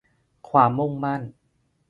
ความมุ่งมั่น